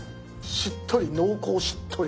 しっとり濃厚しっとり。